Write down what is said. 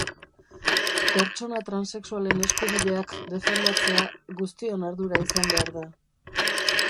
Pertsona transexualen eskubideak defendatzea guztion ardura izan behar da.